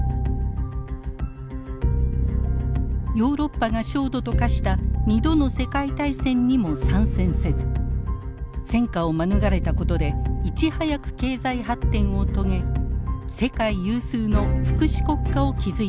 ヨーロッパが焦土と化した２度の世界大戦にも参戦せず戦火を免れたことでいち早く経済発展を遂げ世界有数の福祉国家を築いたのです。